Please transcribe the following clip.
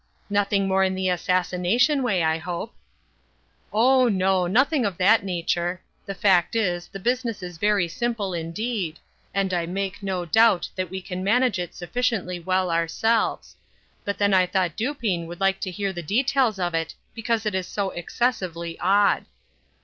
"Nothing more in the assassination way, I hope?" "Oh no; nothing of that nature. The fact is, the business is very simple indeed, and I make no doubt that we can manage it sufficiently well ourselves; but then I thought Dupin would like to hear the details of it, because it is so excessively odd."